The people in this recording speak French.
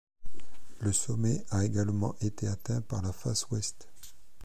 Le sommet a également été atteint par la face ouest.